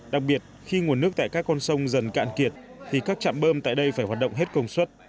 đặc biệt khi nguồn nước tại các con sông dần cạn kiệt thì các trạm bơm tại đây phải hoạt động hết công suất